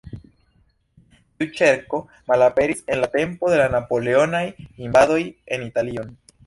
Tiu ĉerko malaperis en la tempo de la Napoleonaj invadoj en Italion.